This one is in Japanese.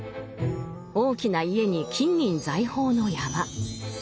大きな家に金銀財宝の山。